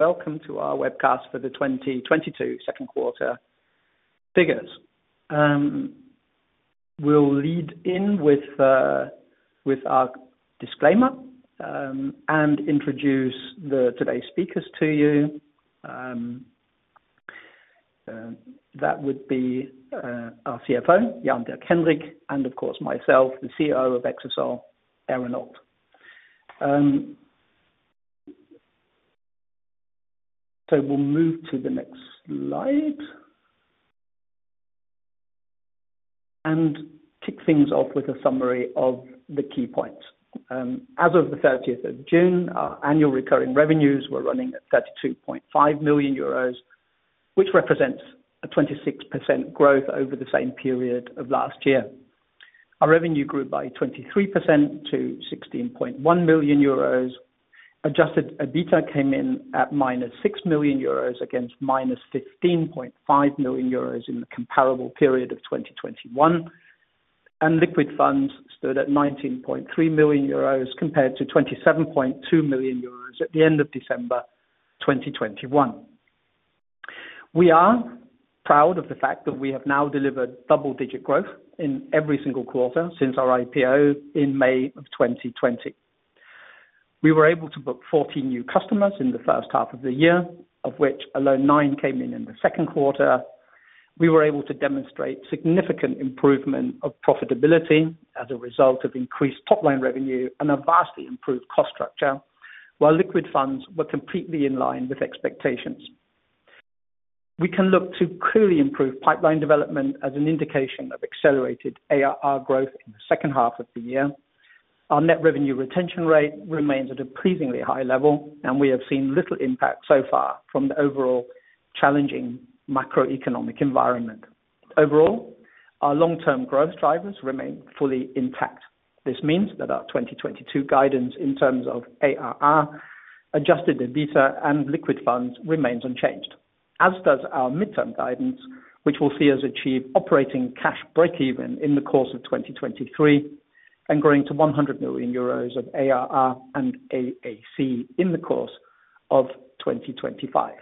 Welcome to our webcast for the 2022 Q2 figures. We'll lead in with our disclaimer, and introduce today's speakers to you. That would be our CFO, Jan-Dirk Henrich, and of course myself, the CEO of Exasol Aaron Auld. We'll move to the next slide and kick things off with a summary of the key points. As of the 30th of June, our annual recurring revenues were running at 32.5 million euros, which represents a 26% growth over the same period of last year. Our revenue grew by 23% to 16.1 million euros. Adjusted EBITDA came in at -6 million euros against -15.5 million euros in the comparable period of 2021, and liquid funds stood at 19.3 million euros compared to 27.2 million euros at the end of December 2021. We are proud of the fact that we have now delivered double-digit growth in every single quarter since our IPO in May of 2020. We were able to book 14 new customers in the first half of the year, of which alone nine came in in the Q2. We were able to demonstrate significant improvement of profitability as a result of increased top-line revenue and a vastly improved cost structure, while liquid funds were completely in line with expectations. We can look to clearly improve pipeline development as an indication of accelerated ARR growth in the second half of the year. Our net revenue retention rate remains at a pleasingly high level, and we have seen little impact so far from the overall challenging macroeconomic environment. Overall, our long-term growth drivers remain fully intact. This means that our 2022 guidance in terms of ARR, adjusted EBITDA, and liquid funds remains unchanged, as does our mid-term guidance, which will see us achieve operating cash break-even in the course of 2023 and growing to 100 million euros of ARR and AAC in the course of 2025.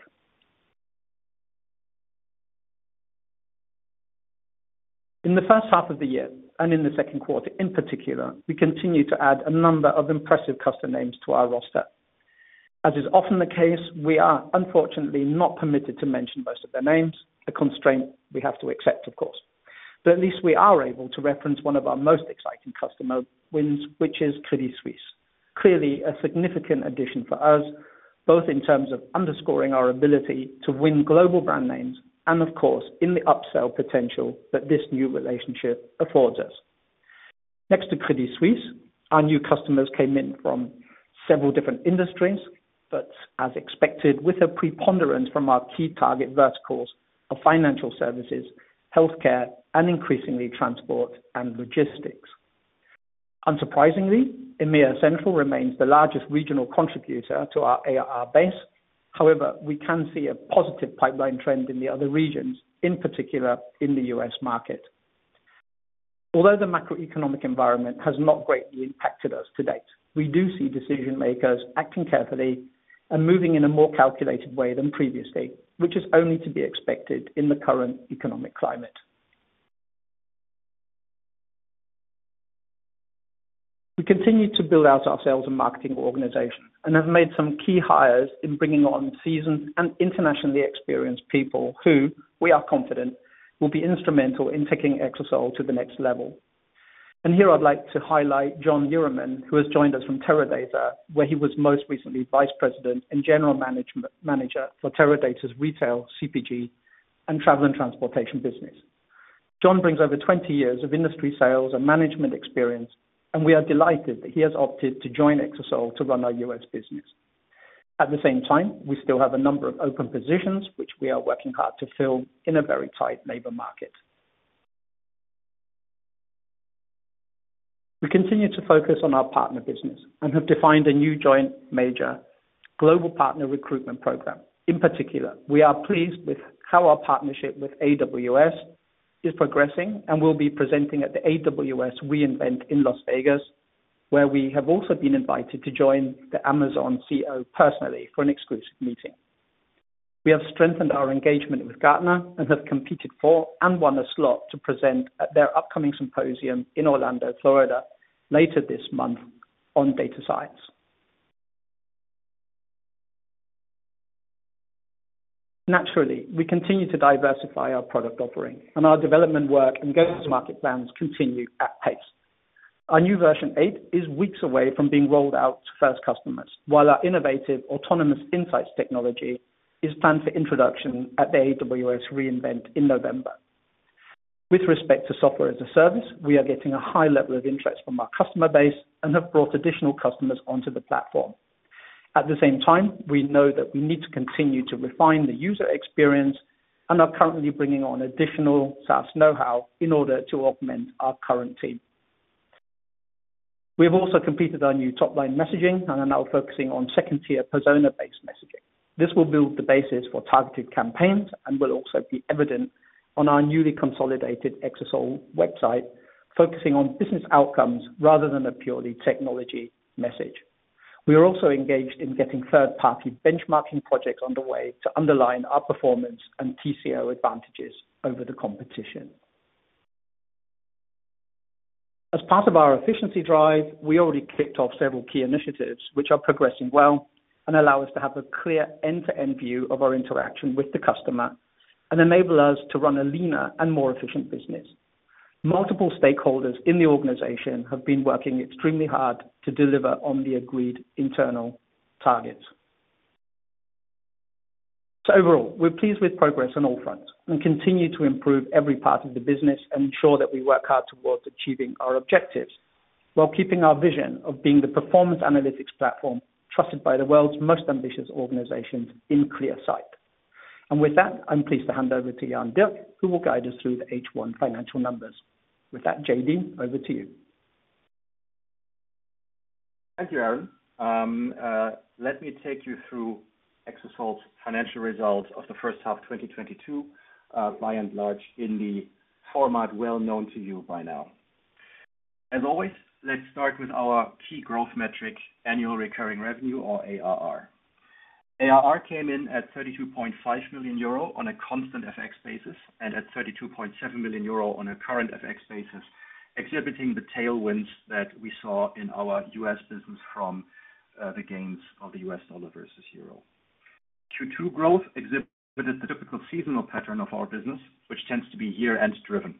In the first half of the year and in the second quarter in particular, we continue to add a number of impressive customer names to our roster. As is often the case, we are unfortunately not permitted to mention most of their names, a constraint we have to accept, of course. At least we are able to reference one of our most exciting customer wins, which is Credit Suisse, clearly a significant addition for us both in terms of underscoring our ability to win global brand names and, of course, in the upsell potential that this new relationship affords us. Next to Credit Suisse, our new customers came in from several different industries but, as expected, with a preponderance from our key target verticals of financial services, healthcare, and increasingly transport and logistics. Unsurprisingly, EMEA Central remains the largest regional contributor to our ARR base. However, we can see a positive pipeline trend in the other regions, in particular in the U.S. market. Although the macroeconomic environment has not greatly impacted us to date, we do see decision-makers acting carefully and moving in a more calculated way than previously, which is only to be expected in the current economic climate. We continue to build out ourselves a marketing organization and have made some key hires in bringing on seasoned and internationally experienced people who, we are confident, will be instrumental in taking Exasol to the next level. Here I'd like to highlight John Knieriemen, who has joined us from Teradata, where he was most recently vice president and general management manager for Teradata's retail, CPG, and travel and transportation business. John brings over 20 years of industry sales and management experience, and we are delighted that he has opted to join Exasol to run our U.S. business. At the same time, we still have a number of open positions, which we are working hard to fill in a very tight labor market. We continue to focus on our partner business and have defined a new joint major global partner recruitment program. In particular, we are pleased with how our partnership with AWS is progressing and will be presenting at the AWS re:Invent in Las Vegas, where we have also been invited to join the Amazon CEO personally for an exclusive meeting. We have strengthened our engagement with Gartner and have competed for and won a slot to present at their upcoming symposium in Orlando, Florida, later this month on data science. Naturally, we continue to diversify our product offering, and our development work and go-to-market plans continue at pace. Our new Version 8 is weeks away from being rolled out to first customers, while our innovative autonomous insights technology is planned for introduction at the AWS re:Invent in November. With respect to Software as a Service, we are getting a high level of interest from our customer base and have brought additional customers onto the platform. At the same time, we know that we need to continue to refine the user experience and are currently bringing on additional SaaS know-how in order to augment our current team. We have also completed our new top-line messaging, and now we're focusing on second-tier persona-based messaging. This will build the basis for targeted campaigns and will also be evident on our newly consolidated Exasol website, focusing on business outcomes rather than a purely technology message. We are also engaged in getting third-party benchmarking projects underway to underline our performance and TCO advantages over the competition. As part of our efficiency drive, we already kicked off several key initiatives, which are progressing well and allow us to have a clear end-to-end view of our interaction with the customer and enable us to run a leaner and more efficient business. Multiple stakeholders in the organization have been working extremely hard to deliver on the agreed internal targets. Overall, we're pleased with progress on all fronts and continue to improve every part of the business and ensure that we work hard towards achieving our objectives while keeping our vision of being the performance analytics platform trusted by the world's most ambitious organizations in clear sight. With that, I'm pleased to hand over to Jan-Dirk, who will guide us through the H1 financial numbers. With that, JD, over to you. Thank you, Aaron. Let me take you through Exasol's financial results of the first half 2022, by and large in the format well known to you by now. As always, let's start with our key growth metric, annual recurring revenue or ARR. ARR came in at 32.5 million euro on a constant FX basis and at 32.7 million euro on a current FX basis, exhibiting the tailwinds that we saw in our U.S. business from the gains of the U.S. dollar versus euro. Q2 growth exhibited the typical seasonal pattern of our business, which tends to be year-end driven.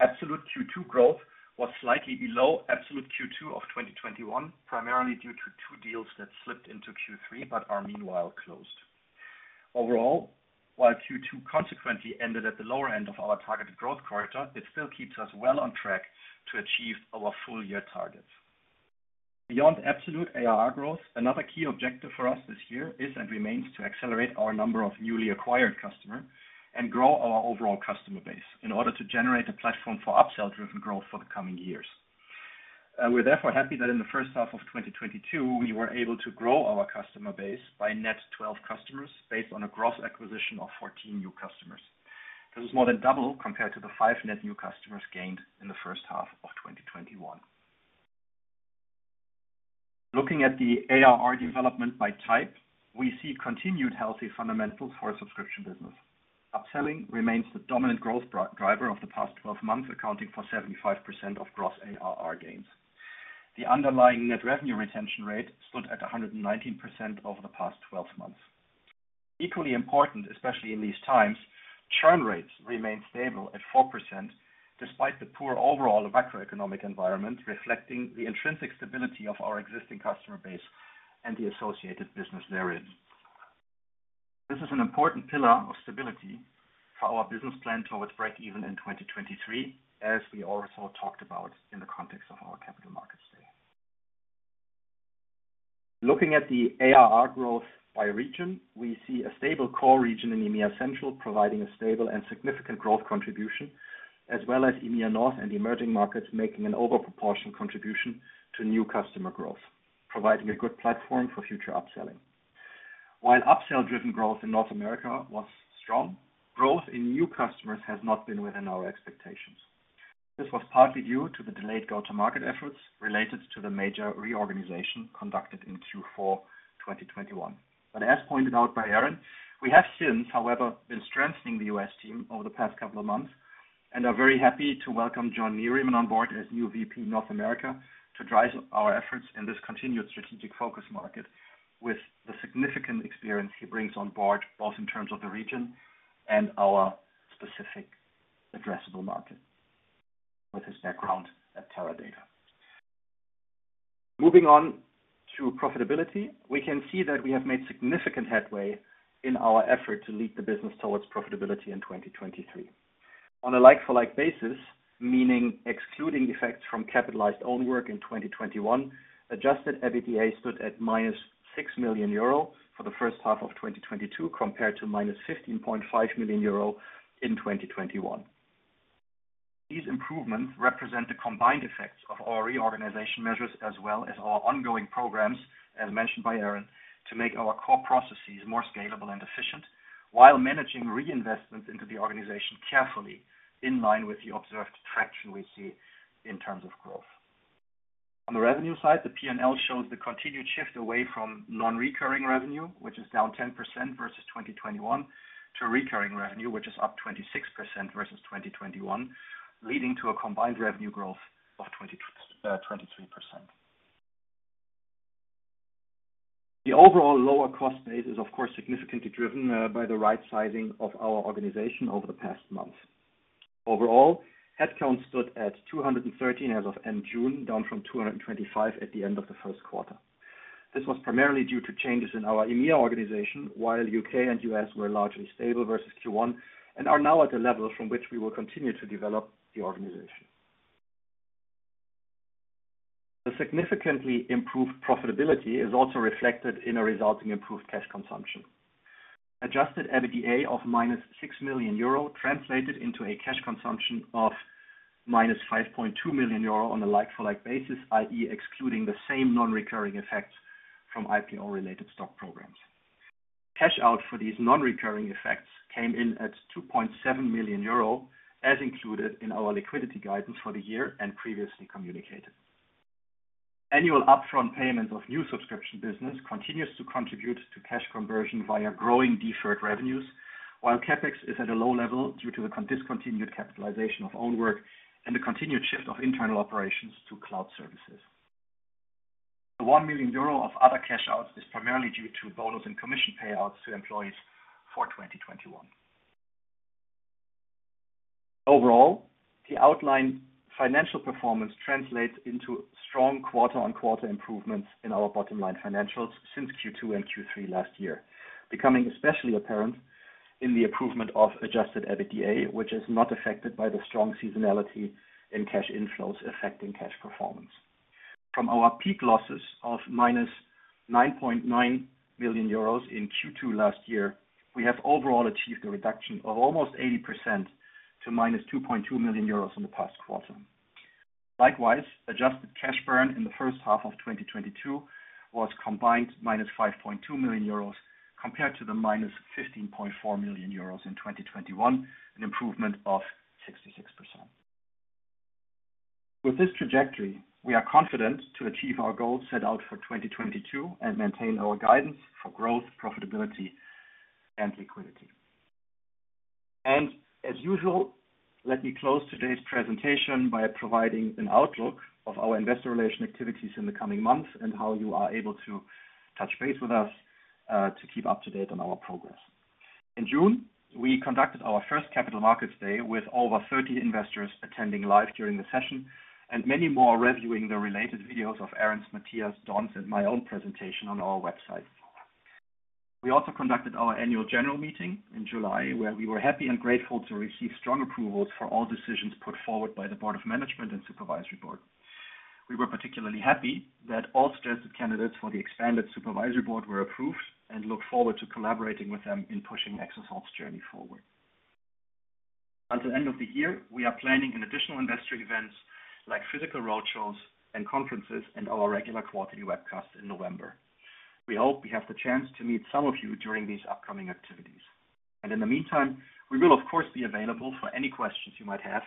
Absolute Q2 growth was slightly below absolute Q2 of 2021, primarily due to two deals that slipped into Q3 but are meanwhile closed. Overall, while Q2 consequently ended at the lower end of our targeted growth quarter, it still keeps us well on track to achieve our full-year targets. Beyond absolute ARR growth, another key objective for us this year is and remains to accelerate our number of newly acquired customers and grow our overall customer base in order to generate a platform for upsell-driven growth for the coming years. We're therefore happy that in the first half of 2022, we were able to grow our customer base by net 12 customers based on a gross acquisition of 14 new customers. This is more than double compared to the five net new customers gained in the first half of 2021. Looking at the ARR development by type, we see continued healthy fundamentals for a subscription business. Upselling remains the dominant growth driver of the past 12 months, accounting for 75% of gross ARR gains. The underlying net revenue retention rate stood at 119% over the past 12 months. Equally important, especially in these times, churn rates remain stable at 4% despite the poor overall macroeconomic environment reflecting the intrinsic stability of our existing customer base and the associated business variants. This is an important pillar of stability for our business plan towards break-even in 2023, as we also talked about in the context of our capital markets day. Looking at the ARR growth by region, we see a stable core region in EMEA Central providing a stable and significant growth contribution, as well as EMEA North and emerging markets making an overproportioned contribution to new customer growth, providing a good platform for future upselling. While upsell-driven growth in North America was strong, growth in new customers has not been within our expectations. This was partly due to the delayed go-to-market efforts related to the major reorganization conducted in Q4 2021. As pointed out by Aaron, we have since, however, been strengthening the U.S. team over the past couple of months and are very happy to welcome John Knieriemen on board as new VP North America to drive our efforts in this continued strategic focus market with the significant experience he brings on board both in terms of the region and our specific addressable market with his background at Teradata. Moving on to profitability, we can see that we have made significant headway in our effort to lead the business towards profitability in 2023. On a like-for-like basis, meaning excluding effects from capitalized own work in 2021, adjusted EBITDA stood at -6 million euro for the first half of 2022 compared to -15.5 million euro in 2021. These improvements represent the combined effects of our reorganization measures as well as our ongoing programs, as mentioned by Aaron, to make our core processes more scalable and efficient while managing reinvestments into the organization carefully in line with the observed traction we see in terms of growth. On the revenue side, the P&L shows the continued shift away from non-recurring revenue, which is down 10% versus 2021, to recurring revenue, which is up 26% versus 2021, leading to a combined revenue growth of 23%. The overall lower cost base is, of course, significantly driven by the right-sizing of our organization over the past months. Overall, headcount stood at 213 as of end June, down from 225 at the end of the Q1. This was primarily due to changes in our EMEA organization while U.K. and U.S. were largely stable versus Q1 and are now at a level from which we will continue to develop the organization. The significantly improved profitability is also reflected in a resulting improved cash consumption. Adjusted EBITDA of -6 million euro translated into a cash consumption of -5.2 million euro on a like-for-like basis, i.e., excluding the same non-recurring effects from IPO-related stock programs. Cash out for these non-recurring effects came in at 2.7 million euro as included in our liquidity guidance for the year and previously communicated. Annual upfront payments of new subscription business continues to contribute to cash conversion via growing deferred revenues, while CapEx is at a low level due to the discontinued capitalization of own work and the continued shift of internal operations to cloud services. The 1 million euro of other cash outs is primarily due to bonus and commission payouts to employees for 2021. Overall, the outlined financial performance translates into strong quarter-on-quarter improvements in our bottom-line financials since Q2 and Q3 last year, becoming especially apparent in the improvement of adjusted EBITDA, which is not affected by the strong seasonality in cash inflows affecting cash performance. From our peak losses of -9.9 million euros in Q2 last year, we have overall achieved a reduction of almost 80% to -2.2 million euros in the past quarter. Likewise, adjusted cash burn in the first half of 2022 was combined -5.2 million euros compared to the -15.4 million euros in 2021, an improvement of 66%. With this trajectory, we are confident to achieve our goals set out for 2022 and maintain our guidance for growth, profitability, and liquidity. As usual, let me close today's presentation by providing an outlook of our investor relation activities in the coming months and how you are able to touch base with us, to keep up to date on our progress. In June, we conducted our first capital markets day with over 30 investors attending live during the session and many more reviewing the related videos of Aaron's, Matthias's, Don's, and my own presentation on our website. We also conducted our annual general meeting in July, where we were happy and grateful to receive strong approvals for all decisions put forward by the board of management and supervisory board. We were particularly happy that all suggested candidates for the expanded supervisory board were approved and look forward to collaborating with them in pushing Exasol's journey forward. Until the end of the year, we are planning an additional investor events like physical roadshows and conferences and our regular quarterly webcast in November. We hope we have the chance to meet some of you during these upcoming activities. In the meantime, we will, of course, be available for any questions you might have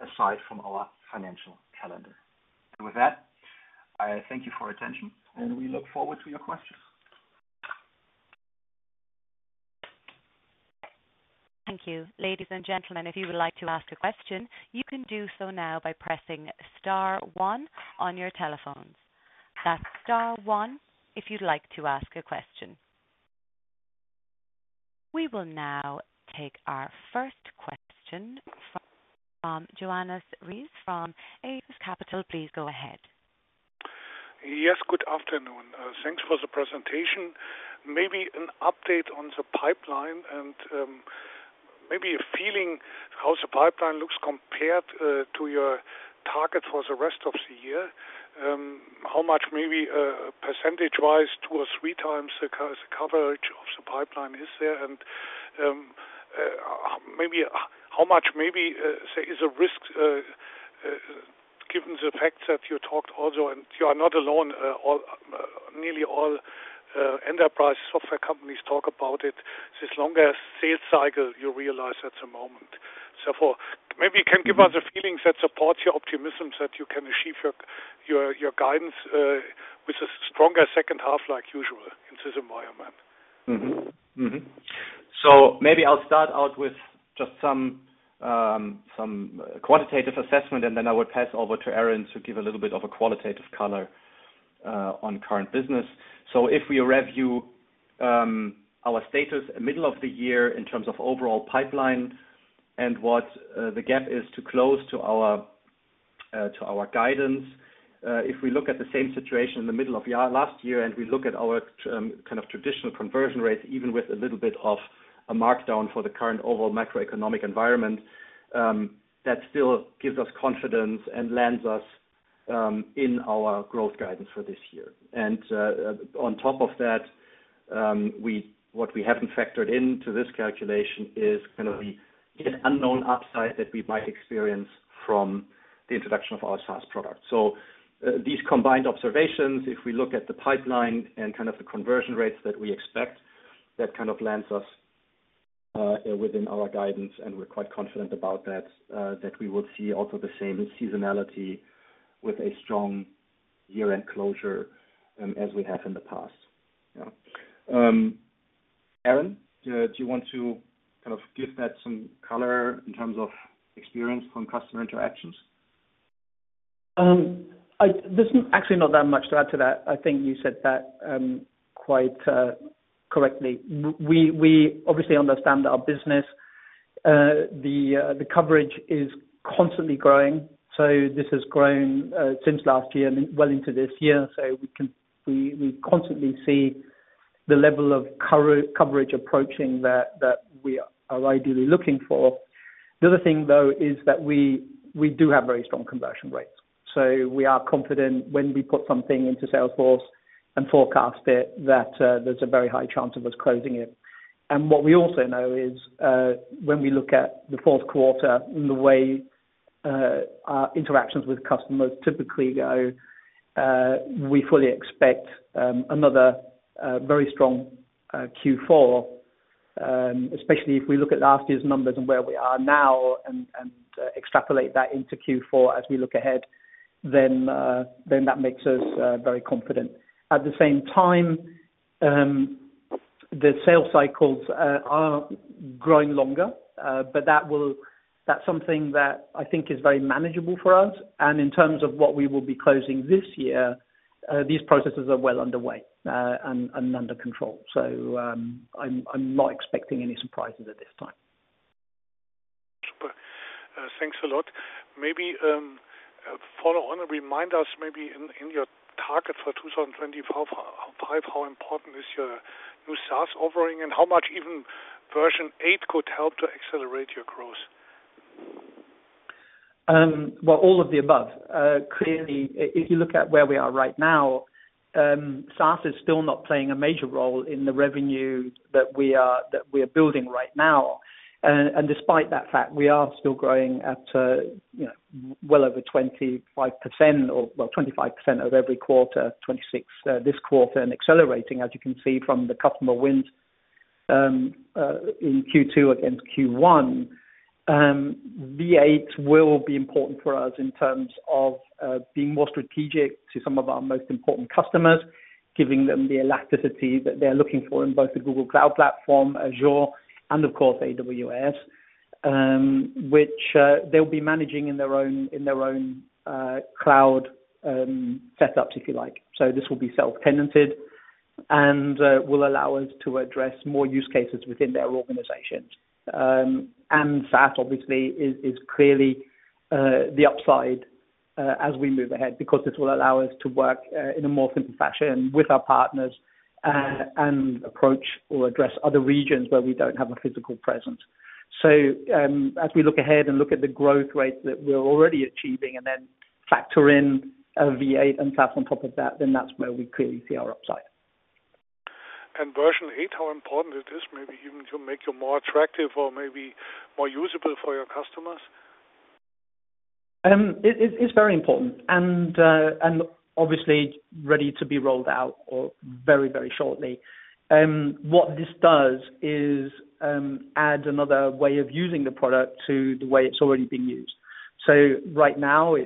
aside from our financial calendar. With that, I thank you for your attention, and we look forward to your questions. Thank you. Ladies and gentlemen, if you would like to ask a question, you can do so now by pressing star one on your telephones. That's star one if you'd like to ask a question. We will now take our first question from Johannes Ries from Apus Capital. Please go ahead. Yes. Good afternoon. Thanks for the presentation. Maybe an update on the pipeline and, maybe a feeling how the pipeline looks compared to your target for the rest of the year. How much, maybe percentage-wise, two or three times the coverage of the pipeline is there? Maybe how much, say, is a risk, given the fact that you talked also and you are not alone, nearly all enterprise software companies talk about it, this longer sales cycle you realize at the moment. Therefore, maybe you can give us a feeling that supports your optimism that you can achieve your guidance with a stronger second half like usual in this environment. Maybe I'll start out with just some quantitative assessment, and then I will pass over to Aaron to give a little bit of a qualitative color on current business. If we review our status middle of the year in terms of overall pipeline and the gap to close to our guidance, if we look at the same situation in the middle of the last year and we look at our kind of traditional conversion rates, even with a little bit of a markdown for the current overall macroeconomic environment, that still gives us confidence and lands us in our growth guidance for this year. On top of that, what we haven't factored into this calculation is kind of the unknown upside that we might experience from the introduction of our SaaS product. These combined observations, if we look at the pipeline and kind of the conversion rates that we expect, that kind of lands us within our guidance. We're quite confident about that we will see also the same seasonality with a strong year-end closure, as we have in the past. Yeah. Aaron, do you want to kind of give that some color in terms of experience from customer interactions? There's actually not that much to add to that. I think you said that quite correctly. We obviously understand our business. The coverage is constantly growing. This has grown since last year and well into this year. We constantly see the level of coverage approaching that we are ideally looking for. The other thing, though, is that we do have very strong conversion rates. We are confident when we put something into Salesforce and forecast it that there's a very high chance of us closing it. What we also know is, when we look at the Q4 and the way our interactions with customers typically go, we fully expect another very strong Q4, especially if we look at last year's numbers and where we are now and extrapolate that into Q4 as we look ahead, then that makes us very confident. At the same time, the sales cycles are growing longer, but that's something that I think is very manageable for us. In terms of what we will be closing this year, these processes are well underway and under control. I'm not expecting any surprises at this time. Super. Thanks a lot. Maybe follow on and remind us maybe in your target for 2025, how important is your new SaaS offering and how much even Version 8 could help to accelerate your growth? Well, all of the above. Clearly, if you look at where we are right now, SaaS is still not playing a major role in the revenue that we are building right now. Despite that fact, we are still growing at, you know, well over 25% or well, 25% every quarter, 26% this quarter and accelerating, as you can see from the customer wins in Q2 against Q1. V8 will be important for us in terms of being more strategic to some of our most important customers, giving them the elasticity that they're looking for in both the Google Cloud Platform, Azure, and, of course, AWS, which they'll be managing in their own cloud setups, if you like. This will be self-tenanted and will allow us to address more use cases within their organizations. SaaS, obviously, is clearly the upside as we move ahead because this will allow us to work in a more simple fashion with our partners and approach or address other regions where we don't have a physical presence. As we look ahead and look at the growth rates that we're already achieving and then factor in V8 and SaaS on top of that, then that's where we clearly see our upside. Version 8, how important it is maybe even to make you more attractive or maybe more usable for your customers? It's very important and obviously ready to be rolled out or very shortly. What this does is add another way of using the product to the way it's already being used. Right now,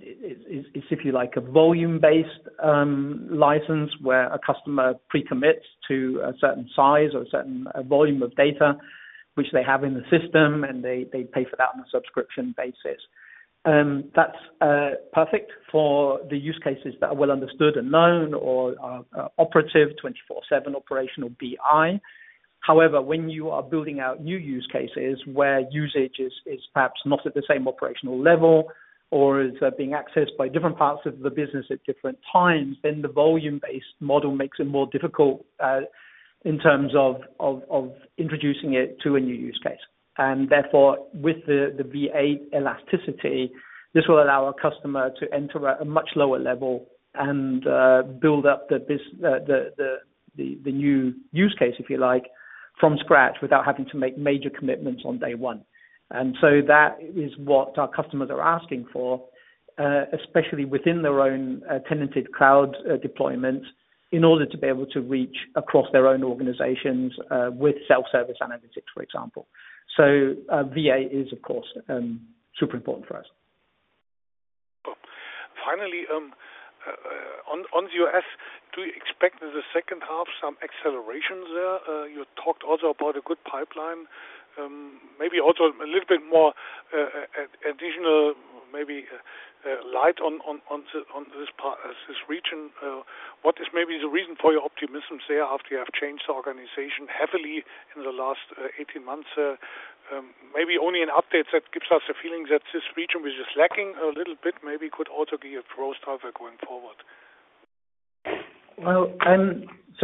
it's if you like, a volume-based license where a customer precommits to a certain size or a certain volume of data, which they have in the system, and they pay for that on a subscription basis. That's perfect for the use cases that are well understood and known or are operative, 24/7 operational BI. However, when you are building out new use cases where usage is perhaps not at the same operational level or is being accessed by different parts of the business at different times, then the volume-based model makes it more difficult in terms of introducing it to a new use case. Therefore, with the V8 elasticity, this will allow our customer to enter at a much lower level and build up the business, the new use case, if you like, from scratch without having to make major commitments on day one. That is what our customers are asking for, especially within their own tenanted cloud deployments in order to be able to reach across their own organizations with self-service analytics, for example. V8 is, of course, super important for us. Cool. Finally, on U.S., do you expect in the second half some accelerations there? You talked also about a good pipeline, maybe also a little bit more additional light on this part, this region. What is maybe the reason for your optimism there after you have changed the organization heavily in the last 18 months? Maybe only an update that gives us a feeling that this region which is lacking a little bit maybe could also give you a growth driver going forward? Well,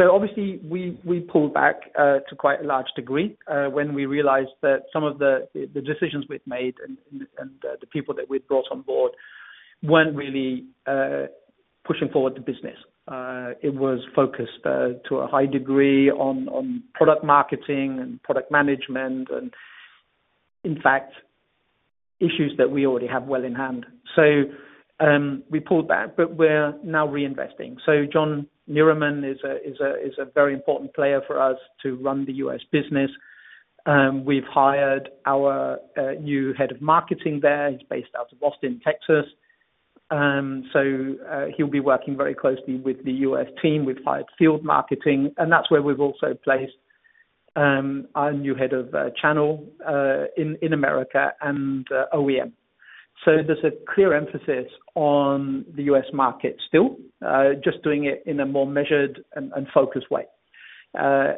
obviously, we pulled back to quite a large degree when we realized that some of the decisions we'd made and the people that we'd brought on board weren't really pushing forward the business. It was focused to a high degree on product marketing and product management and, in fact, issues that we already have well in hand. We pulled back, but we're now reinvesting. John Knieriemen is a very important player for us to run the U.S. business. We've hired our new head of marketing there. He's based out of Austin, Texas. He'll be working very closely with the U.S. team. We've hired field marketing. That's where we've also placed our new head of channel in America and OEM. There's a clear emphasis on the U.S. market still, just doing it in a more measured and focused way. A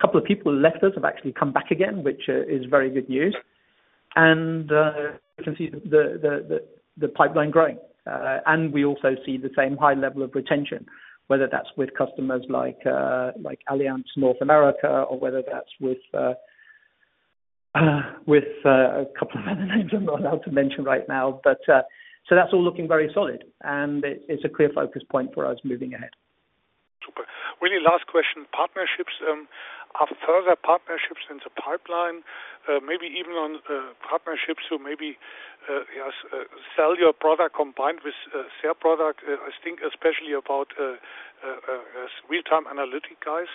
couple of people left us have actually come back again, which is very good news. You can see the pipeline growing. We also see the same high level of retention, whether that's with customers like Allianz North America or whether that's with a couple of other names I'm not allowed to mention right now. That's all looking very solid. It's a clear focus point for us moving ahead. Super. Really last question. Partnerships, are further partnerships in the pipeline, maybe even on partnerships who sell your product combined with their product? I think especially as real-time analytics guys?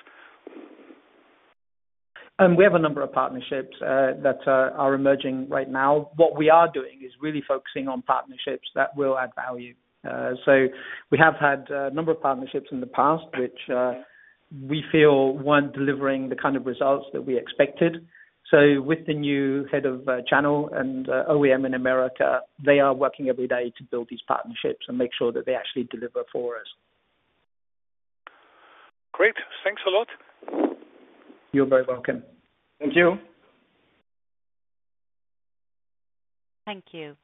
We have a number of partnerships that are emerging right now. What we are doing is really focusing on partnerships that will add value. We have had a number of partnerships in the past which we feel weren't delivering the kind of results that we expected. With the new head of channel and OEM in America, they are working every day to build these partnerships and make sure that they actually deliver for us. Great. Thanks a lot. You're very welcome. Thank you. Thank you.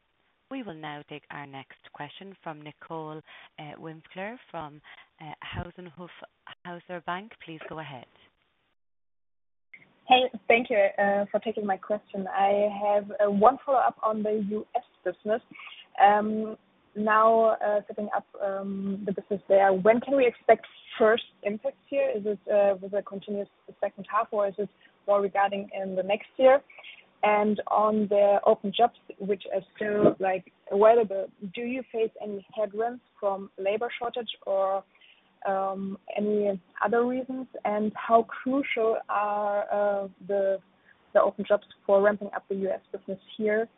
We will now take our next question from Nicole Wimpfler from Hauck Aufhäuser Lampe. Please go ahead. Hey. Thank you for taking my question. I have one follow-up on the U.S. business. Now, setting up the business there, when can we expect first impacts here? Is it with a continuous second half, or is it more regarding in the next year? On the open jobs which are still like available, do you face any headwinds from labor shortage or any other reasons? How crucial are the open jobs for ramping up the U.S. business here?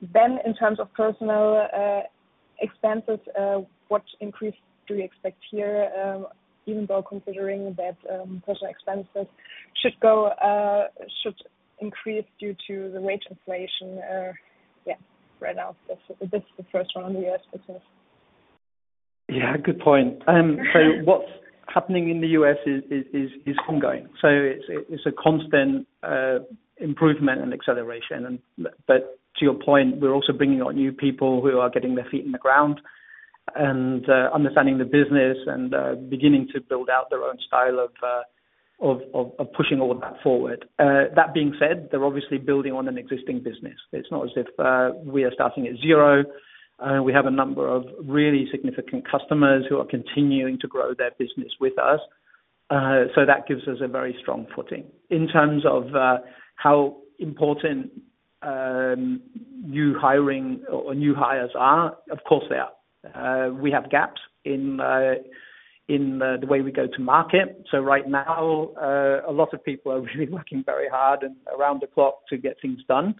Then in terms of personnel expenses, what increase do you expect here, even though considering that personnel expenses should increase due to the wage inflation? Yeah, right now, this is the first one on the U.S. business. Yeah. Good point. What's happening in the U.S. is ongoing. It's a constant improvement and acceleration. But to your point, we're also bringing on new people who are getting their feet on the ground and understanding the business and beginning to build out their own style of pushing all of that forward. That being said, they're obviously building on an existing business. It's not as if we are starting at zero. We have a number of really significant customers who are continuing to grow their business with us. That gives us a very strong footing. In terms of how important new hiring or new hires are, of course, they are. We have gaps in the way we go to market. Right now, a lot of people are really working very hard and around the clock to get things done.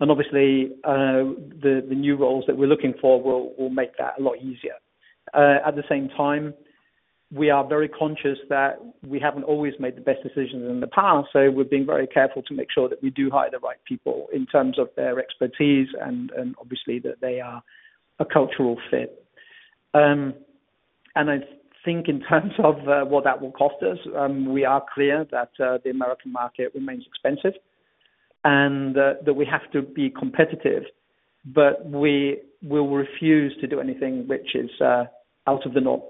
Obviously, the new roles that we're looking for will make that a lot easier. At the same time, we are very conscious that we haven't always made the best decisions in the past. We're being very careful to make sure that we do hire the right people in terms of their expertise and obviously that they are a cultural fit. I think in terms of what that will cost us, we are clear that the American market remains expensive and that we have to be competitive. We will refuse to do anything which is out of the norm,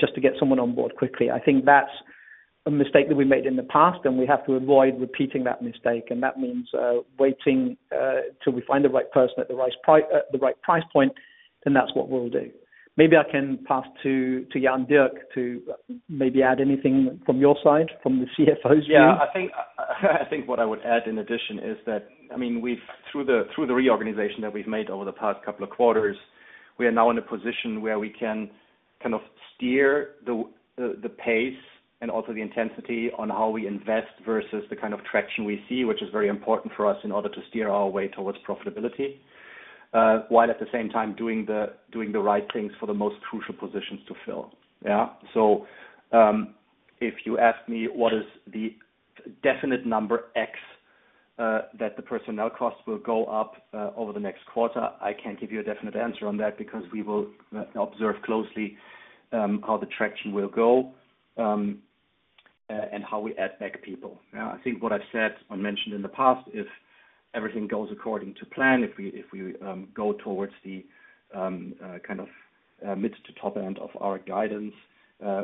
just to get someone on board quickly. I think that's a mistake that we made in the past, and we have to avoid repeating that mistake. That means waiting till we find the right person at the right price point, then that's what we'll do. Maybe I can pass to Jan-Dirk to maybe add anything from your side, from the CFO's view. Yeah. I think what I would add in addition is that, I mean, we've been through the reorganization that we've made over the past couple of quarters. We are now in a position where we can kind of steer the pace and also the intensity on how we invest versus the kind of traction we see, which is very important for us in order to steer our way towards profitability, while at the same time doing the right things for the most crucial positions to fill. Yeah? If you ask me what is the definite number X that the personnel cost will go up over the next quarter, I can't give you a definite answer on that because we will observe closely how the traction will go, and how we add back people. Yeah? I think what I've said and mentioned in the past, if everything goes according to plan, if we go towards the kind of mid to top end of our guidance,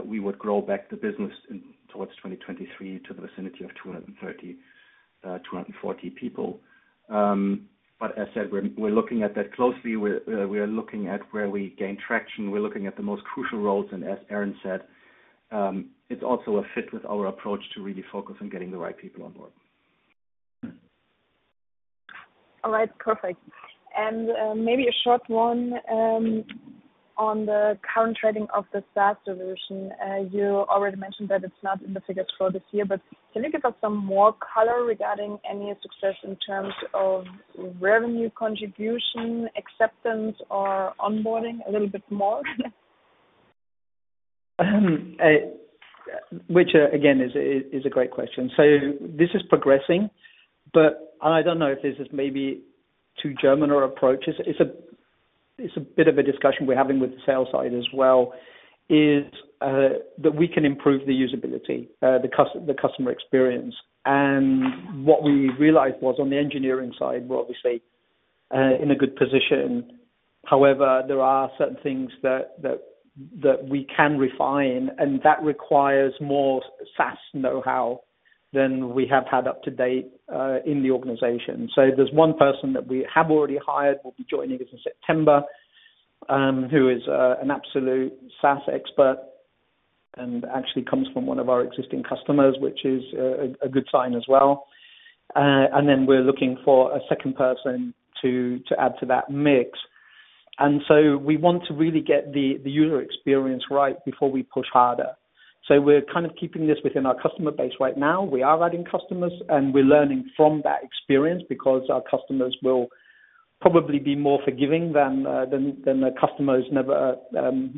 we would grow back the business into 2023 to the vicinity of 230-240 people. As said, we're looking at that closely. We're looking at where we gain traction. We're looking at the most crucial roles. As Aaron said, it's also a fit with our approach to really focus on getting the right people on board. All right. Perfect. Maybe a short one on the current trading of the SaaS solution. You already mentioned that it's not in the figures for this year. Can you give us some more color regarding any success in terms of revenue contribution, acceptance, or onboarding a little bit more? Which, again, is a great question. This is progressing. I don't know if this is maybe too German or approach. It's a bit of a discussion we're having with the sales side as well, is that we can improve the usability, the customer experience. What we realized was on the engineering side, we're obviously in a good position. However, there are certain things that we can refine. That requires more SaaS know-how than we have had up to date in the organization. There's one person that we have already hired. We'll be joining us in September, who is an absolute SaaS expert and actually comes from one of our existing customers, which is a good sign as well. Then we're looking for a second person to add to that mix. We want to really get the user experience right before we push harder. We're kind of keeping this within our customer base right now. We are adding customers, and we're learning from that experience because our customers will probably be more forgiving than the customers never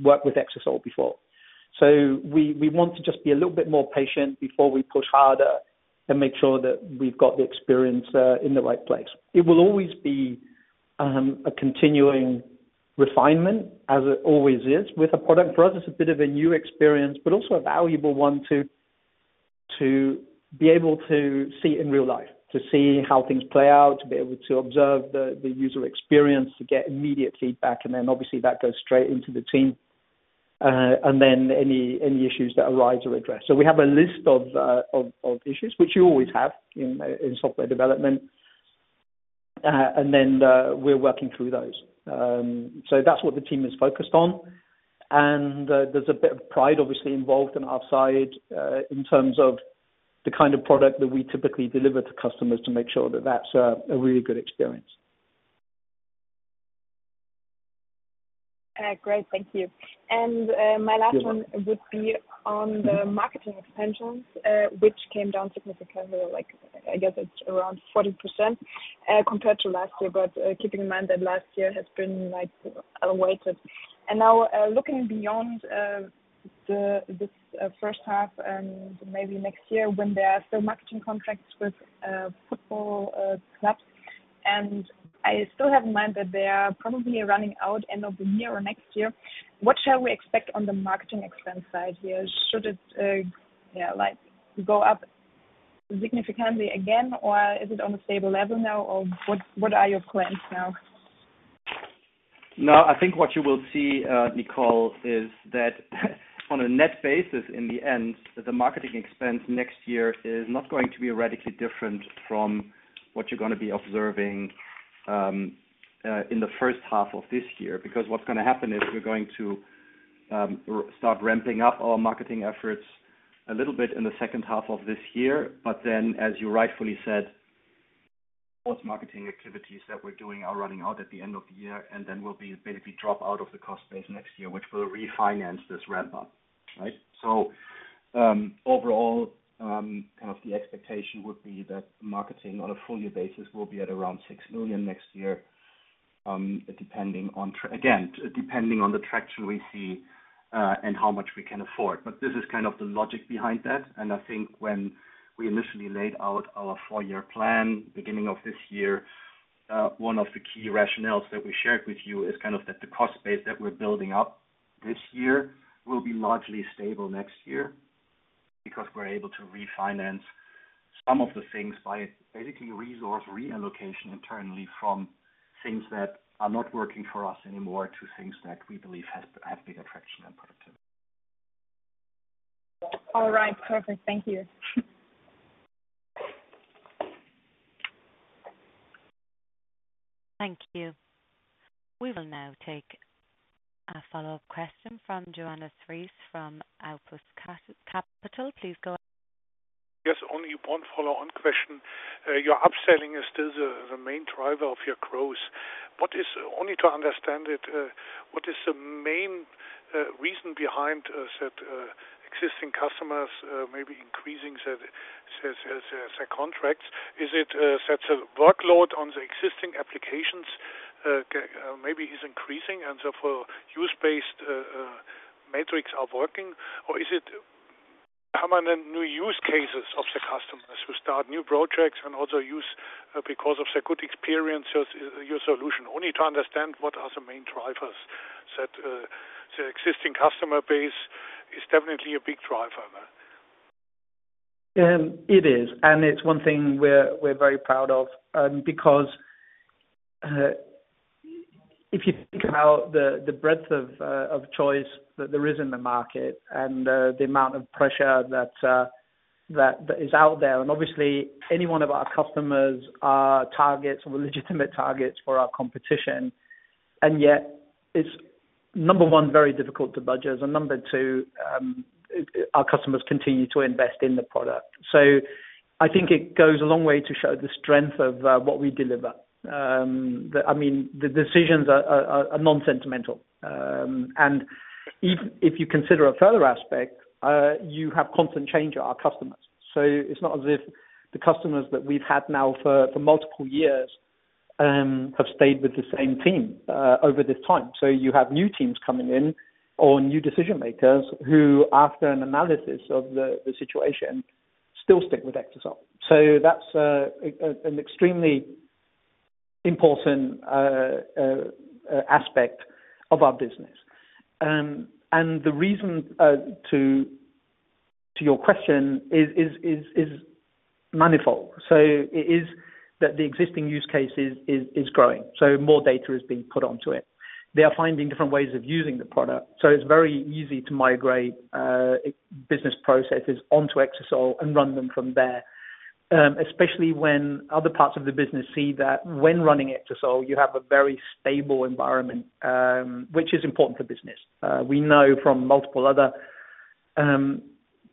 worked with Exasol before. We want to just be a little bit more patient before we push harder and make sure that we've got the experience in the right place. It will always be a continuing refinement as it always is with a product. For us, it's a bit of a new experience but also a valuable one to be able to see it in real life, to see how things play out, to be able to observe the user experience, to get immediate feedback. Obviously, that goes straight into the team. Any issues that arise are addressed. We have a list of issues, which you always have in software development. We're working through those. That's what the team is focused on. There's a bit of pride, obviously, involved on our side, in terms of the kind of product that we typically deliver to customers to make sure that that's a really good experience. Great. Thank you. My last one would be on the marketing expenses, which came down significantly. Like, I guess it's around 40%, compared to last year. Keeping in mind that last year has been, like, unweighted. Now, looking beyond this first half and maybe next year when there are still marketing contracts with football clubs, and I still have in mind that they are probably running out end of the year or next year, what shall we expect on the marketing expense side here? Should it, yeah, like, go up significantly again, or is it on a stable level now, or what are your plans now? No. I think what you will see, Nicole, is that on a net basis, in the end, the marketing expense next year is not going to be radically different from what you're going to be observing, in the first half of this year. What's going to happen is we're going to start ramping up our marketing efforts a little bit in the second half of this year. As you rightfully said, most marketing activities that we're doing are running out at the end of the year. We'll be basically drop out of the cost base next year, which will refinance this ramp-up, right? Overall, kind of the expectation would be that marketing on a full-year basis will be at around 6 million next year, depending on the traction we see again, and how much we can afford. This is kind of the logic behind that. I think when we initially laid out our four-year plan beginning of this year, one of the key rationales that we shared with you is kind of that the cost base that we're building up this year will be largely stable next year because we're able to refinance some of the things by basically resource reallocation internally from things that are not working for us anymore to things that we believe have bigger traction and productivity. All right. Perfect. Thank you. Thank you. We will now take a follow-up question from Johannes Ries from Apus Capital. Please go ahead. Yes. Only one follow-on question. Your upselling is still the main driver of your growth. Just to understand it, what is the main reason behind that, existing customers maybe increasing their contracts? Is it that the workload on the existing applications, e.g. maybe is increasing, and therefore usage-based metrics are working? Or is it primarily new use cases of the customers who start new projects and also use, because of their good experience, your solution? Just to understand what are the main drivers that the existing customer base is definitely a big driver, though. It is. It's one thing we're very proud of. Because if you think about the breadth of choice that there is in the market and the amount of pressure that is out there and obviously any one of our customers are targets or legitimate targets for our competition. Yet it's number one very difficult to budge. Number two, our customers continue to invest in the product. I think it goes a long way to show the strength of what we deliver. I mean, the decisions are unsentimental. Even if you consider a further aspect, you have constant change at our customers. It's not as if the customers that we've had now for multiple years have stayed with the same team over this time. You have new teams coming in or new decision-makers who, after an analysis of the situation, still stick with Exasol. That's an extremely important aspect of our business. The reason to your question is manifold. It is that the existing use case is growing. More data is being put onto it. They are finding different ways of using the product. It's very easy to migrate business processes onto Exasol and run them from there, especially when other parts of the business see that when running Exasol, you have a very stable environment, which is important for business. We know from multiple other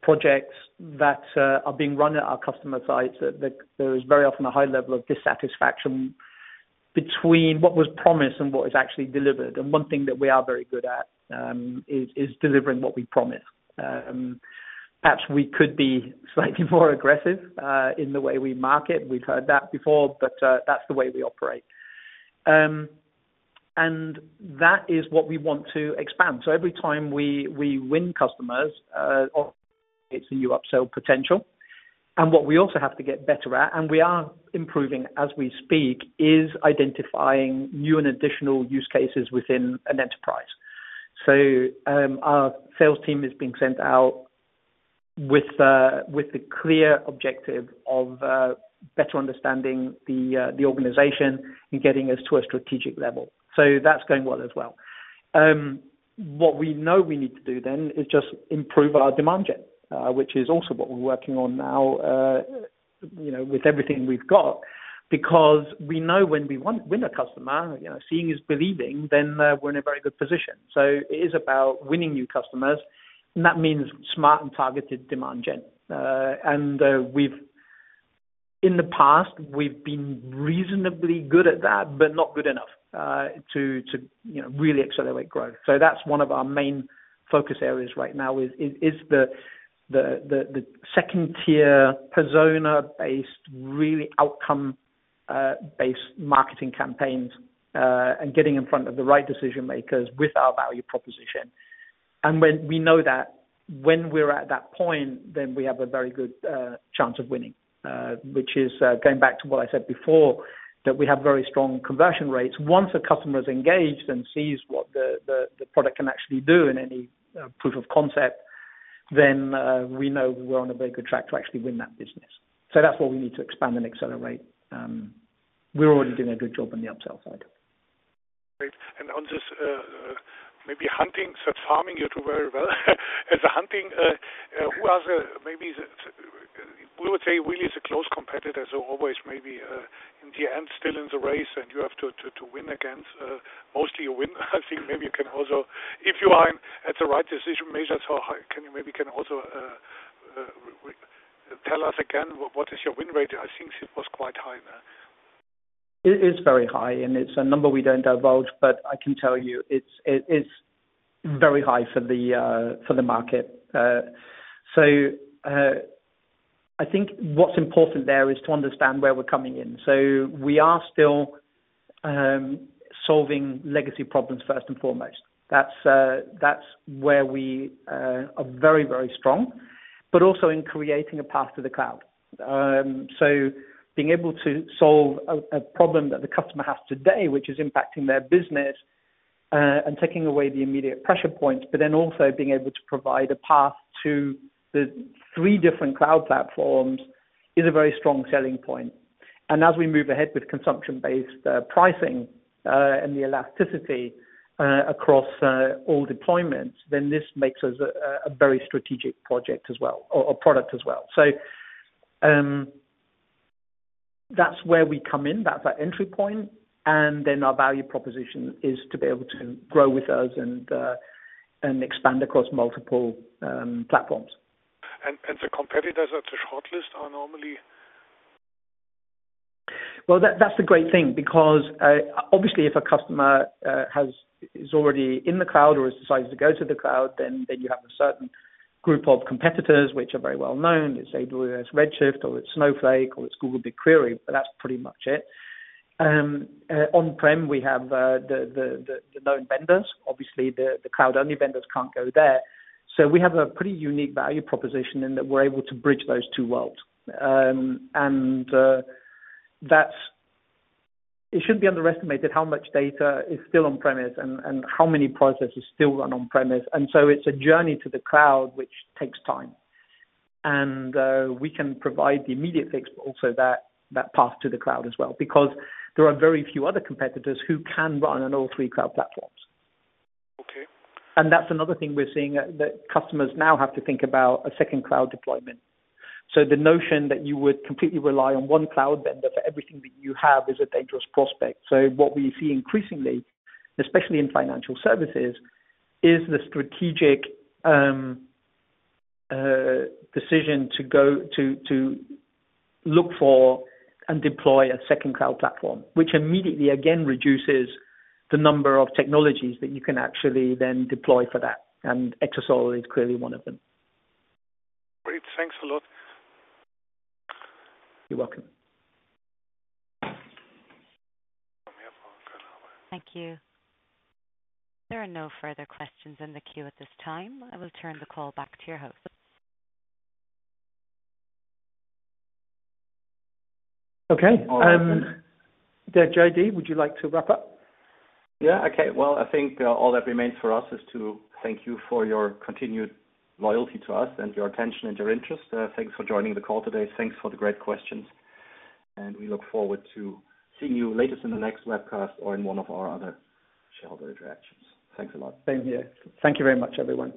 projects that are being run at our customer sites that there is very often a high level of dissatisfaction between what was promised and what is actually delivered. One thing that we are very good at is delivering what we promise. Perhaps we could be slightly more aggressive in the way we market. We've heard that before. That's the way we operate. That is what we want to expand. Every time we win customers, it's a new upsell potential. What we also have to get better at and we are improving as we speak is identifying new and additional use cases within an enterprise. Our sales team is being sent out with the clear objective of better understanding the organization and getting us to a strategic level. That's going well as well. What we know we need to do then is just improve our demand gen, which is also what we're working on now, you know, with everything we've got. Because we know when we want to win a customer, you know, seeing is believing, then we're in a very good position. It is about winning new customers. That means smart and targeted demand gen., and we've in the past been reasonably good at that but not good enough to you know really accelerate growth. That's one of our main focus areas right now is the second-tier persona-based really outcome-based marketing campaigns, and getting in front of the right decision-makers with our value proposition. When we know that, when we're at that point, then we have a very good chance of winning, which is going back to what I said before, that we have very strong conversion rates. Once a customer is engaged and sees what the product can actually do in any proof of concept, then we know we're on a very good track to actually win that business. That's what we need to expand and accelerate. We're already doing a good job on the upsell side. Great. On this, maybe hunting and farming, do you do very well as a hunter? Who are the maybe the we would say really is a close competitor, so always maybe in the end still in the race. You have to win against mostly a winner. I think maybe you can also if you are in with the right decision-makers. How high can you maybe can also retell us again what is your win rate? I think it was quite high, though. It's very high. It's a number we don't divulge. I can tell you, it's very high for the market. I think what's important there is to understand where we're coming in. We are still solving legacy problems first and foremost. That's where we are very strong but also in creating a path to the cloud. Being able to solve a problem that the customer has today, which is impacting their business, and taking away the immediate pressure points but then also being able to provide a path to the three different cloud platforms is a very strong selling point. As we move ahead with consumption-based pricing, and the elasticity across all deployments, then this makes us a very strategic project as well or product as well. That's where we come in. That's our entry point. Then our value proposition is to be able to grow with us and expand across multiple platforms. The competitors at the shortlist are normally? Well, that's the great thing because, obviously, if a customer is already in the cloud or has decided to go to the cloud, then you have a certain group of competitors, which are very well known. It's Amazon Redshift or it's Snowflake or it's Google BigQuery. That's pretty much it. On-prem, we have the known vendors. Obviously, the cloud-only vendors can't go there. We have a pretty unique value proposition in that we're able to bridge those two worlds. That it shouldn't be underestimated how much data is still on-premise and how many processes still run on-premise. It's a journey to the cloud, which takes time. We can provide the immediate fix but also that path to the cloud as well because there are very few other competitors who can run on all three cloud platforms. Okay. That's another thing we're seeing, that customers now have to think about: a second cloud deployment. The notion that you would completely rely on one cloud vendor for everything that you have is a dangerous prospect. What we see increasingly, especially in financial services, is the strategic decision to look for and deploy a second cloud platform, which immediately, again, reduces the number of technologies that you can actually then deploy for that. Exasol is clearly one of them. Great. Thanks a lot. You're welcome. Thank you. There are no further questions in the queue at this time. I will turn the call back to your host. Okay, Aaron, J.D., would you like to wrap up? Yeah. Okay. Well, I think, all that remains for us is to thank you for your continued loyalty to us and your attention and your interest. Thanks for joining the call today. Thanks for the great questions. We look forward to seeing you at least in the next webcast or in one of our other shareholder interactions. Thanks a lot. Same here. Thank you very much, everyone.